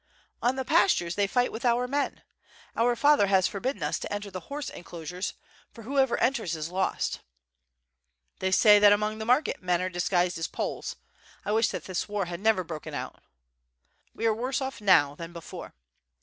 "On the pastures they fight with our men. Our father has forbidden us to enter the horse enclosures, for whoever enters is lost." "They say that among the market men are disguised Poles, I wish that this war had never broken out." "We are worse off now than before."